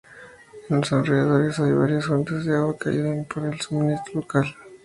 En los alrededores hay varias fuentes de agua que ayudan para el suministro local.